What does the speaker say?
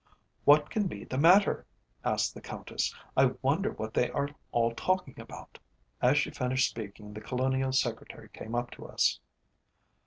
"What can be the matter?" asked the Countess. "I wonder what they are all talking about?" As she finished speaking the Colonial Secretary came up to us.